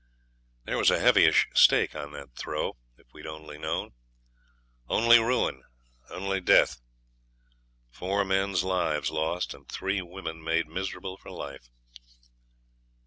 There was a heavyish stake on that throw, if we'd only known. Only ruin only death. Four men's lives lost, and three women made miserable for life.